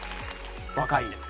若井です。